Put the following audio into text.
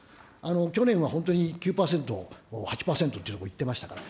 去年は本当に９％、８％といっていましたから。